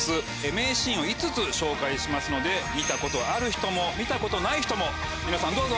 名シーンを５つ紹介しますので見たことある人も見たことない人も皆さんどうぞ。